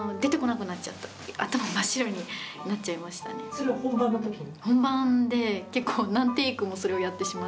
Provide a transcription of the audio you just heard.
それは本番の時に？